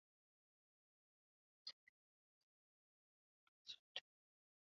The Central Security Forces comes under the control of the Ministry of Interior.